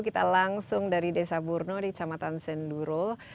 kita langsung dari desa burno di camatan senduro